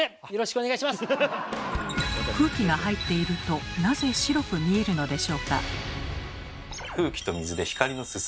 空気が入っているとなぜ白く見えるのでしょうか？